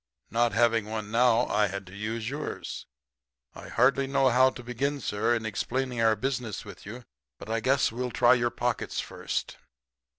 Not having one now I had to use yours. I hardly know how to begin, sir, in explaining our business with you, but I guess we'll try your pockets first.'